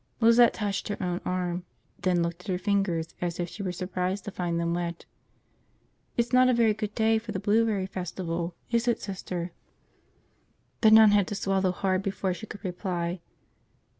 Lizette touched her own arm, then looked at her fingers as if she were surprised to find them wet. "It's not a very good day for the Blueberry Festival, is it, Sister?" The nun had to swallow hard before she could reply.